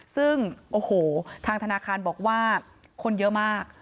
ซึ่งโอ้โหทางธนาคารบอกว่าคนเยอะมาก